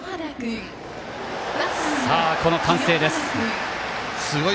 この歓声です。